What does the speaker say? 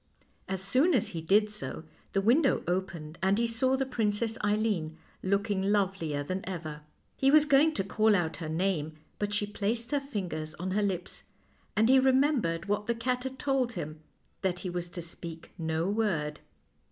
As soon as he did so, the window opened and he saw the Princess Eileen, looking lovelier than ever. He was going to call out her name, but she placed her fingers on her lips, and he remembered what the cat had told him, that he was to speak no word.